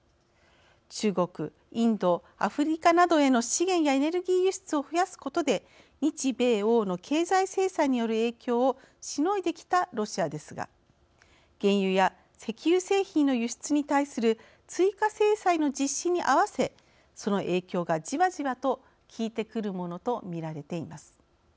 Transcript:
中国、インド、アフリカなどへの資源やエネルギー輸出を増やすことで日米欧の経済制裁による影響をしのいできたロシアですが原油や石油製品の輸出に対する追加制裁の実施に合わせその影響がじわじわと効いてくるものと見られています。